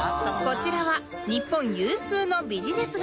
こちらは日本有数のビジネス街